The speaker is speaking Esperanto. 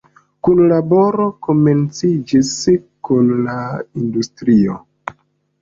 Kunlaboro komenciĝis kun la industrio.